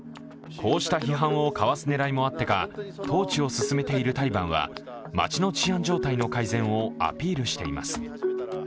こうした批判をかわす狙いもあってか、統治を進めているタリバンは街の治安状態の改善をアピールしています。